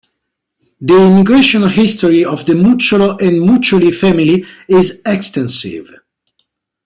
The immigration history of the Mucciolo and Muccioli family is extensive.